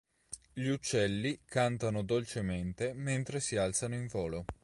Gli uccelli cantano dolcemente mentre si alzano in volo.